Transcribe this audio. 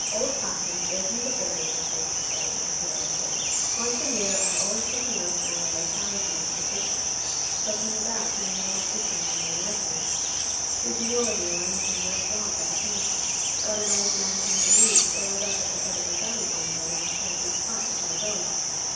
Old Parkins gave me the bearings of the 'Lost Gully,' as he always called it. Once a year, I always took a loaf round the locality after Christmas, poking about doing a little fishing, when there was any: shooting wallaby or anything worth while that I came across. Got an old man kangaroo bailed up at the head of a gully, one day after a big fight with my dogs.